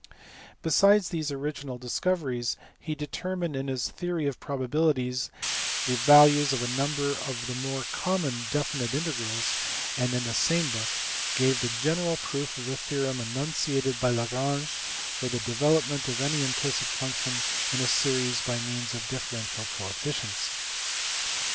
Besides these original discoveries he determined in his theory of probabilities the values of a number of the more common definite integrals : and in the same book gave the general proof of the theorem enunciated by Lagrange for the development of any implicit function in a series by means of differential coefficients.